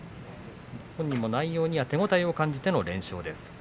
本人も内容には手応えを感じての連勝です。